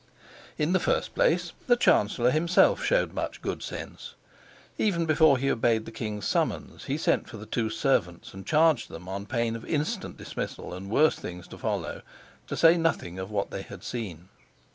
In the first place, the chancellor himself showed much good sense. Even before he obeyed the king's summons he sent for the two servants and charged them, on pain of instant dismissal and worse things to follow, to say nothing of what they had seen.